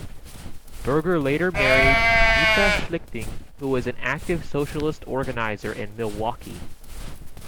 Berger later married Meta Schlichting, who was an active socialist organizer in Milwaukee.